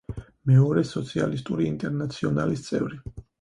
მეორე სოციალისტური ინტერნაციონალის წევრი.